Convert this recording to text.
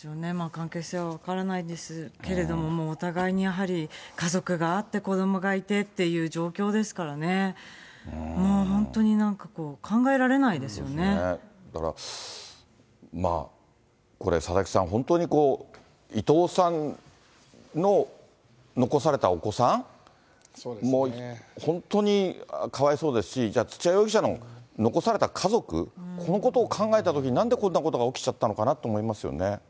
関係性は分からないですけれども、もうお互いにやはり、家族があって、子どもがいてっていう状況ですからね、もう本当に、なんかこう、だから、これ、佐々木さん、本当に伊藤さんの残されたお子さん、本当にかわいそうですし、じゃあ、土屋容疑者の残された家族、このことを考えたときに、なんでこんなことが起きちゃったのかなと思いますよね。